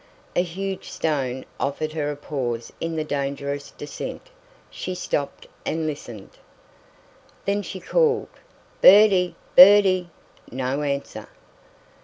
A huge stone offered her a pause in the dangerous descent. She stopped and listened. Then she called: "Birdie! Birdie!" No answer.